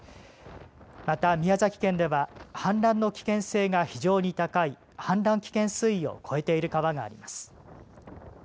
また、宮崎県では氾濫の危険性が非常に高い氾濫危険水位を超えている川があります。